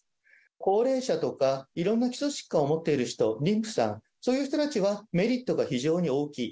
高齢者とかいろんな基礎疾患を持っている人、妊婦さん、そういう人たちはメリットが非常に大きい。